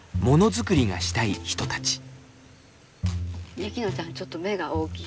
雪乃ちゃんちょっと目が大きい。